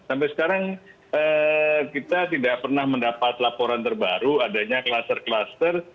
sampai sekarang kita tidak pernah mendapat laporan terbaru adanya kluster kluster